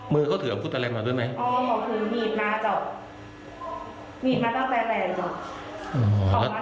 มือเขาถือพูดอะไรมาด้วยไหมอ๋อเขาถือมีบนะเจ้ามีบมาตั้งแต่แหล่นเจ้า